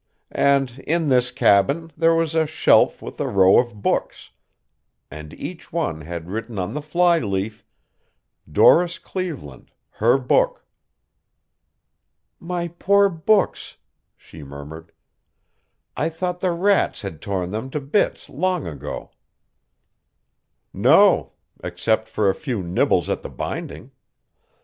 And in this cabin there was a shelf with a row of books, and each one had written on the flyleaf, 'Doris Cleveland Her Book.'" "My poor books," she murmured. "I thought the rats had torn them to bits long ago." "No. Except for a few nibbles at the binding.